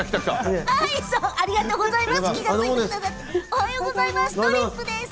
おはようございます。